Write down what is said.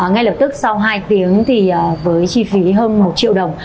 ngay lập tức sau hai tiếng thì với chi phí hơn một triệu đồng